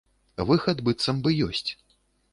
Выхад быццам бы ёсць.